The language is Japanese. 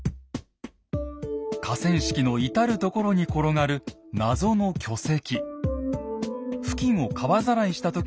河川敷の至る所に転がる謎の巨石。